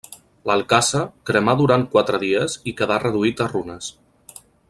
L'alcàsser cremà durant quatre dies i quedà reduït a runes.